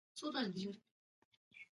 له مخې یې تاسې ایمان رامنځته کولای شئ